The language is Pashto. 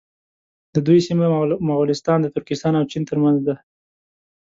د دوی سیمه مغولستان د ترکستان او چین تر منځ ده.